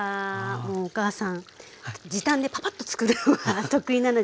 もうお母さん時短でパパッとつくるのが得意なので。